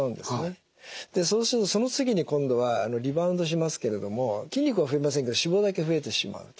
でそうするとその次に今度はリバウンドしますけれども筋肉は増えませんけど脂肪だけ増えてしまうと。